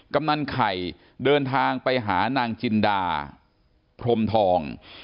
กำนันไข่เดินทางไปหานางจินดาพรมทอง